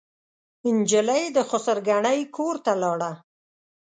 نجلۍ د خسر ګنې کورته لاړه.